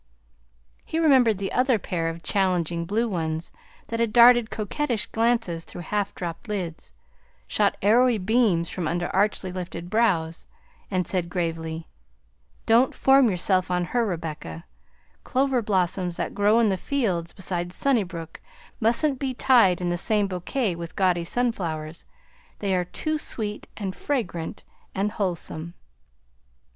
He remembered the other pair of challenging blue ones that had darted coquettish glances through half dropped lids, shot arrowy beams from under archly lifted brows, and said gravely, "Don't form yourself on her, Rebecca; clover blossoms that grow in the fields beside Sunnybrook mustn't be tied in the same bouquet with gaudy sunflowers; they are too sweet and fragrant and wholesome."